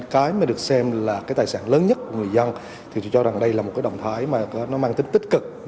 cái mà được xem là tài sản lớn nhất của người dân thì tôi cho rằng đây là một động thái mang tính tích cực